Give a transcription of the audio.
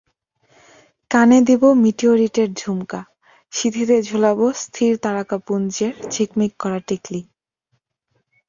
কানে দেব মিটিওরিটের ঝুমকা, সিঁথিতে ঝুলাব স্থির তারকাপুঞ্জের ঝিকমিক করা টিকলি।